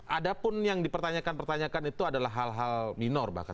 ada pun yang dipertanyakan pertanyakan itu adalah hal hal minor bahkan